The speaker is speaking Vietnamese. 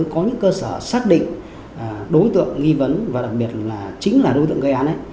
có những cơ sở xác định đối tượng nghi vấn và đặc biệt là chính là đối tượng gây án